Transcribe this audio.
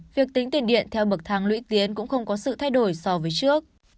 việc tính tiền điện theo bậc thang lũy tiến cũng không có sự thay đổi so với trước